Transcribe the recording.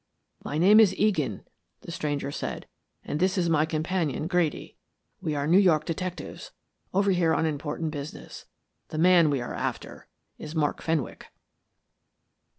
"My name is Egan," the stranger said, "and this is my companion, Grady. We are New York detectives, over here on important business. The man we are after is Mark Fenwick."